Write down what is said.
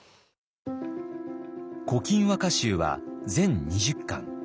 「古今和歌集」は全２０巻。